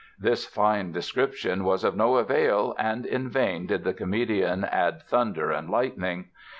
This fine description was of no avail and in vain did the comedian add thunder and lightning.